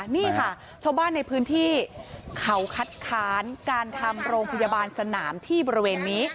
นี่ค่ะชาวบ้านในพื้นที่เขาคัดค้านการทำโรงพยาบาลสนามที่บริเวณนี้